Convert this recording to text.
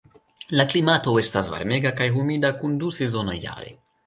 La klimato estas varmega kaj humida kun du sezonoj jare.